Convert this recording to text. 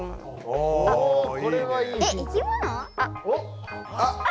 おっ。